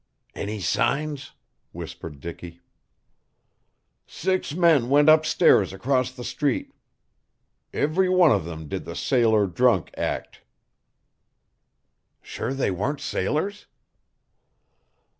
"Any signs?" whispered Dicky. "Six men went up stairs across the street. Every one of them did the sailor drunk act." "Sure they weren't sailors?"